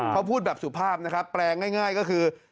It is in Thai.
เขาพูดแบบสุภาพนะครับแปลงง่ายก็คือ